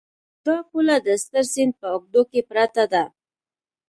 دا پوله د ستر سیند په اوږدو کې پرته ده.